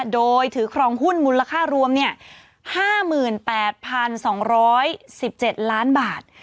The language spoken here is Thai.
โดยถือครองหุ้นมูลค่ารวม๕๘๒๑๗ล้านบาท